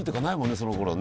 そのころね。